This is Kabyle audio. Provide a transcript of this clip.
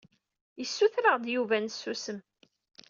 Yessuter-aɣ-d Yuba ad nsusem.